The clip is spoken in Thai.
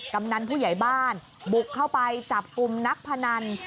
กำนันผู้ใหญ่บ้านบุกเข้าไปจับกลุ่มนักพนัน